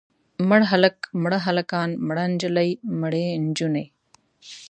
مړ هلک، مړه هلکان، مړه نجلۍ، مړې نجونې.